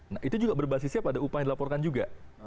nah itu juga berbasisnya pada upah yang dilaporkan juga